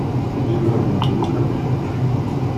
Lemmer medden akk am kečč.